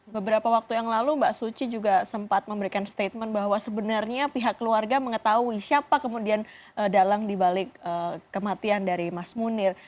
beberapa waktu yang lalu mbak suci juga sempat memberikan statement bahwa sebenarnya pihak keluarga mengetahui siapa kemudian dalang dibalik kematian dari mas munir